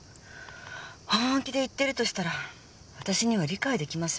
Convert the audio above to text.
本気で言ってるとしたら私には理解出来ません。